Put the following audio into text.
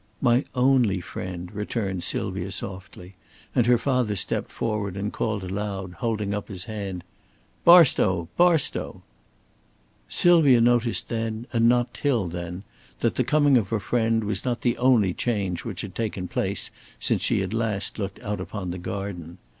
"My only friend," returned Sylvia, softly; and her father stepped forward and called aloud, holding up his hand: "Barstow! Barstow!" Sylvia noticed then, and not till then, that the coming of her friend was not the only change which had taken place since she had last looked out upon the garden.